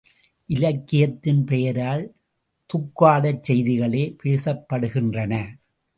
இலக்கியத்தின் பெயரால் துக்கடாச் செய்திகளே பேசப்படுகின்றன.